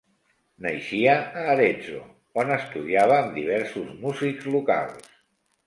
Naixia a Arezzo, on estudiava amb diversos músics locals.